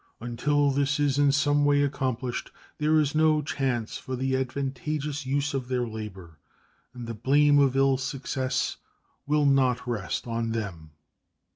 Until this is in some way accomplished there is no chance for the advantageous use of their labor, and the blame of ill success will not rest on them.